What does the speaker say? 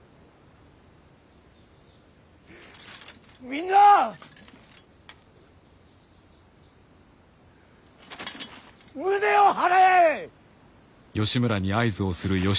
みんな胸を張れ！